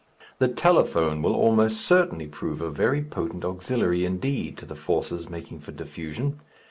The telephone will almost certainly prove a very potent auxiliary indeed to the forces making for diffusion.